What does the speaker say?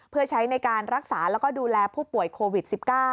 เพื่อใช้ในการรักษาแล้วก็ดูแลผู้ป่วยโควิด๑๙